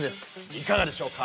いかがでしょうか？